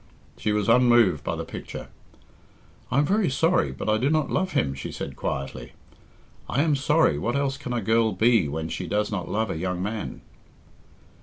She was unmoved by the picture. "I am very sorry, but I do not love him," she said quietly. "I am sorry what else can a girl be when she does not love a young man?"